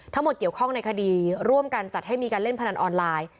เกี่ยวข้องในคดีร่วมกันจัดให้มีการเล่นพนันออนไลน์